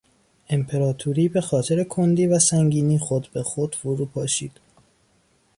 امپراتوری به خاطر کندی و سنگینی خود به خود فرو پاشید.